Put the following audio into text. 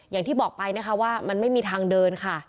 อย่างที่บอกไปนะคะว่ามันไม่มีทางเดินค่ะ